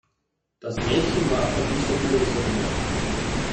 Das Mädchen war von instabiler Gesundheit.